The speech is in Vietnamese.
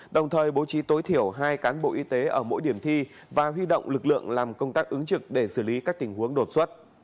đồng thời bố trí tối thiểu hai cán bộ y tế ở mỗi điểm thi và huy động lực lượng làm công tác ứng trực để xử lý các tình huống đột xuất